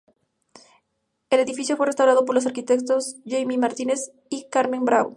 El edificio fue restaurado por los arquitectos Jaime Martínez y Carmen Bravo.